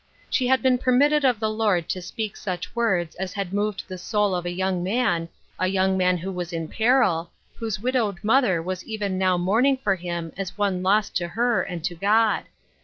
She had been permitted of the Lord to speak such words as had moved the soul of a ON THE MOUNT AND IN THE VALLEY. 1 93 young man — a young man who was in peril — whose widowed mother was even now mourning for him as one lost to her and to God.